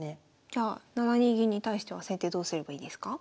じゃあ７二銀に対しては先手どうすればいいですか？